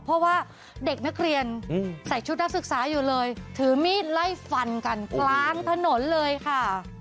เพราะว่าเด็กนักเรียนใส่ชุดนักศึกษาอยู่เลยถือมีดไล่ฟันกันกลางถนนเลยค่ะ